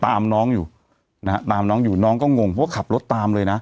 ตามน้องอยู่นะฮะตามน้องอยู่น้องก็งงเพราะว่าขับรถตามเลยนะ